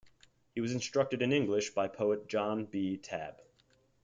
He was instructed in English by poet John B. Tabb.